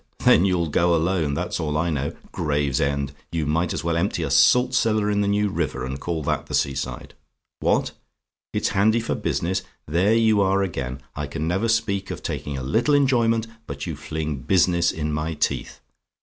"Then you'll go alone, that's all I know. Gravesend! You might as well empty a salt cellar in the New River, and call that the sea side. What? "IT'S HANDY FOR BUSINESS? "There you are again! I can never speak of taking a little enjoyment, but you fling business in my teeth.